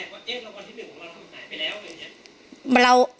ตั้งแต่แรกว่าเอ๊ะรางวัลที่หนึ่งของเราก็ถ่ายไปแล้วอย่างเงี้ย